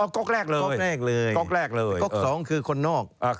ก็กก๒คือคนนอก